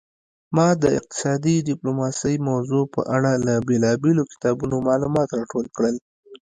ما د اقتصادي ډیپلوماسي موضوع په اړه له بیلابیلو کتابونو معلومات راټول کړل